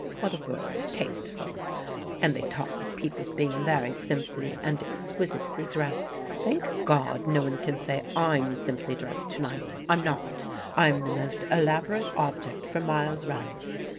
What a word, 'tasteful'! And they talk of people's being very simply and exquisitely dressed. Thank God, no one can say I'm simply dressed to night. I'm not: I'm the most elaborate object for miles round.